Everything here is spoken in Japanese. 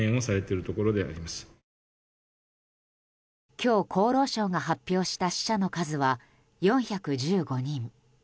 今日、厚労省が発表した死者の数は４１５人。